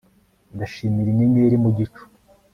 Ndashimira inyenyeri mu gicu